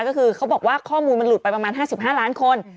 ก็คือเขาบอกว่าข้อมูลมันหลุดไปประมาณ๕๕ล้านคน